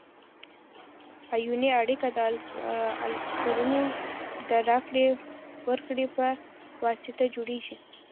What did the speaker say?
ایوني اړیکه د الکترونونو د راکړې ورکړې په واسطه جوړیږي.